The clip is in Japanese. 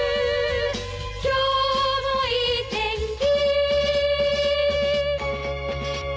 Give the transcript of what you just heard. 「今日もいい天気」